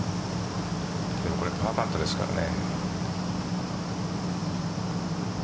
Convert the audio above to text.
これパーパットですからね。